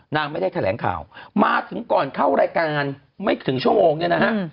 นางไม่ได้แถลงข่าวมาถึงก่อนเข้ารายการไม่ถึงชั่วโมงเนี่ยนะฮะ